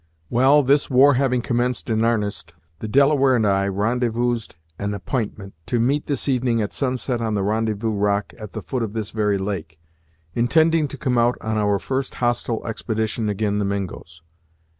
"Well, this war having commenced in 'arnest, the Delaware and I rendezvous'd an app'intment, to meet this evening at sunset on the rendezvous rock at the foot of this very lake, intending to come out on our first hostile expedition ag'in the Mingos.